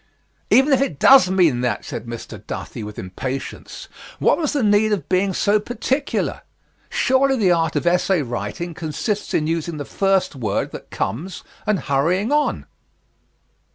"Even if it does mean that," said Mr. Duthie, with impatience, "what was the need of being so particular? Surely the art of essay writing consists in using the first word that comes and hurrying on."